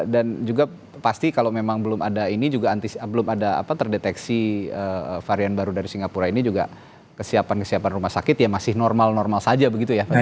dan juga pasti kalau memang belum ada ini juga belum ada apa terdeteksi varian baru dari singapura ini juga kesiapan kesiapan rumah sakit ya masih normal normal saja begitu ya pak ya